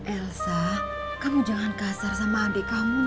elsa kamu jangan kasar sama adik kamu